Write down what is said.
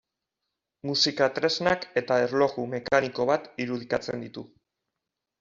Musika tresnak eta erloju mekaniko bat irudikatzen ditu.